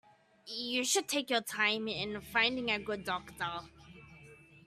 You should take your time in finding a good doctor.